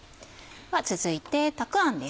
続いてたくあんです。